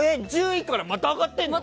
１０位からまた上がってんの？